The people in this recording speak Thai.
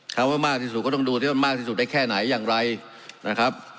ว่ามากที่สุดก็ต้องดูที่ว่ามากที่สุดได้แค่ไหนอย่างไรนะครับ